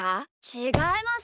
ちがいます！